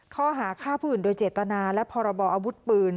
ข้อหาฆ่าผู้อื่นโดยเจตนาและพรบออาวุธปืน